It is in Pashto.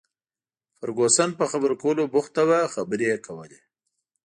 فرګوسن په خبرو کولو بوخته وه، خبرې یې کولې.